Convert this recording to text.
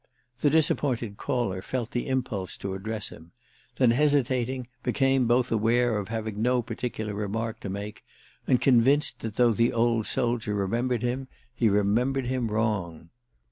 The disappointed caller felt the impulse to address him; then, hesitating, became both aware of having no particular remark to make, and convinced that though the old soldier remembered him he remembered him wrong.